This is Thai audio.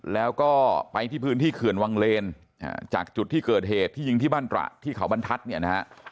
แล้วก็ไปที่พื้นที่เขื่อนวังเลนจากจุดที่เกิดเหตุที่ยิงที่บ้านตระที่เขาบรรทัศน์เนี่ยนะฮะ